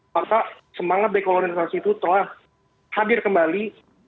maka semangat dekolonisasi itu telah hadir kembali